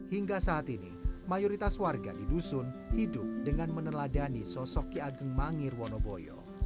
hingga saat ini mayoritas warga di dusun hidup dengan meneladani sosok ki ageng mangir wonoboyo